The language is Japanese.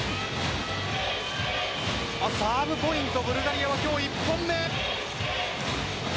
サーブポイントブルガリアは今日１本目。